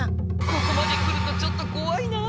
ここまで来るとちょっとこわいなあ。